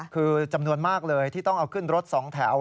คือจำนวนมากเลยที่ต้องเอาขึ้นรถสองแถว